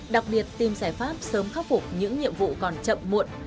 đặc biệt tìm giải pháp sớm khắc phục những nhiệm vụ còn chậm muộn